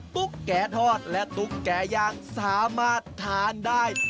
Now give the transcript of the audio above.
ตุ๊กแก่ทอดและตุ๊กแก่ย่างสามารถทานได้